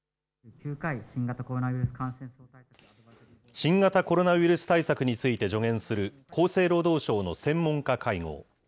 新型コロナウイルス対策について助言する、厚生労働省の専門家会合。